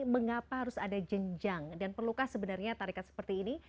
mengapa harus ada jenjang dan perlukah sebenarnya tarikat seperti ini